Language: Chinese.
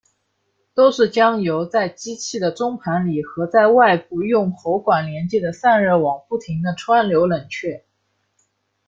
都是将油在机器的中盘里和在外部用喉管连接的散热网不停地穿流冷却。